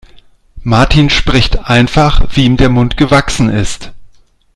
Martin spricht einfach, wie ihm der Mund gewachsen ist.